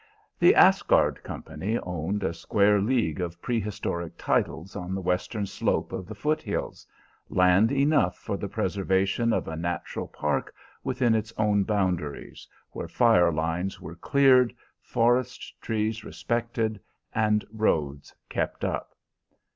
The Asgard Company owned a square league of prehistoric titles on the western slope of the foot hills, land enough for the preservation of a natural park within its own boundaries where fire lines were cleared, forest trees respected, and roads kept up.